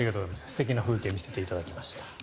素敵な風景を見せていただきました。